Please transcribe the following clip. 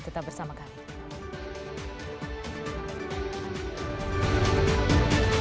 tetap bersama kami